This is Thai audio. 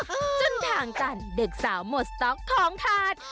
จนทางกันเด็กสาวหมดสต๊อกของขาด